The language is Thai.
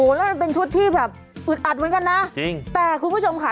นั่นแหละโอ้โฮแล้วมันเป็นชุดที่แบบอึดอัดเหมือนกันนะแต่คุณผู้ชมค่ะ